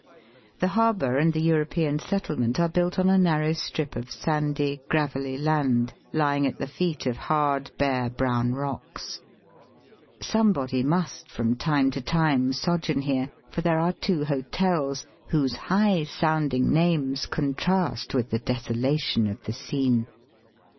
The harbour and the European settlement are built on a narrow strip of sandy, gravelly land, lying at the feet of hard bare brown rocks. Somebody must, from time to time, sojourn here, for there are two hotels whose high sounding names contrast with the desolation of the scene.